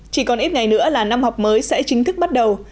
chỉ còn ít ngày nữa là năm học mới sẽ chính thức bắt đầu